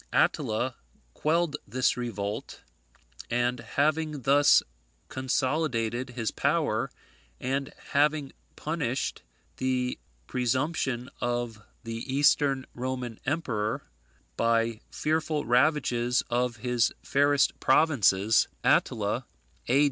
Attila quelled this revolt; and having thus consolidated his power, and having punished the presumption of the Eastern Roman emperor by fearful ravages of his fairest provinces, Attila, A.